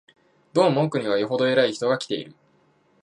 どうも奥には、よほど偉い人が来ている